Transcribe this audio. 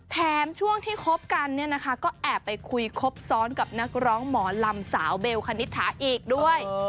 แถมช่วงที่คบกันเนี่ยนะคะก็แอบไปคุยครบซ้อนกับนักร้องหมอลำสาวเบลคณิตถาอีกด้วย